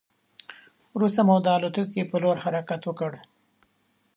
وروسته مو د الوتکې په لور حرکت وکړ.